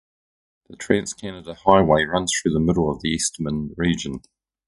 The Trans-Canada Highway runs through the middle of the Eastman Region.